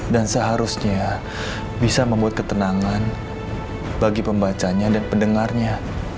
dan seharusnya bisa membuat ketenangan bagi pembacanya dan pendengarnya